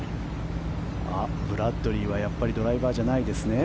ブラッドリーはやっぱりドライバーじゃないですね。